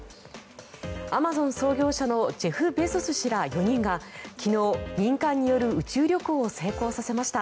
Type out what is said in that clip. アマゾン創業者のジェフ・ベゾス氏ら４人が昨日、民間による宇宙旅行を成功させました。